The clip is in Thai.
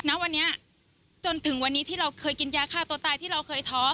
ณวันนี้จนถึงวันนี้ที่เราเคยกินยาฆ่าตัวตายที่เราเคยท้อ